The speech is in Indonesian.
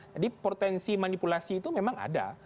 jadi potensi manipulasi itu memang ada